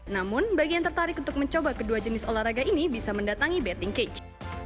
namun bagi yang tertarik untuk mencoba kedua jenis olahraga ini bisa mendatangi betting cage